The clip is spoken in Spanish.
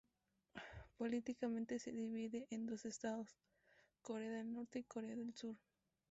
Políticamente se divide en dos estados: Corea del Norte y Corea del Sur.